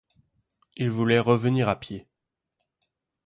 Ils voulaient revenir à pied.